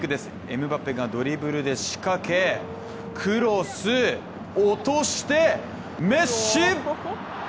エムバペがドリブルで仕掛けクロス、落として、メッシ！